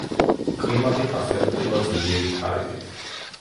კლიმატი ხასიათდება ძლიერი ქარებით.